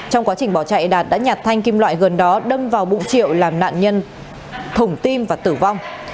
trong quá trình bỏ chạy đạt đã nhạt thanh kim loại gần đó đâm vào bụng triệu làm nạn nhân thủng tim và tử vong